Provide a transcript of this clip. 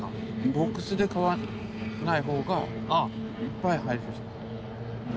ボックスで買わない方がいっぱい入る。